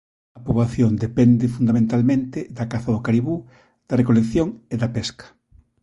A poboación depende fundamentalmente da caza do caribú, da recolección e da pesca.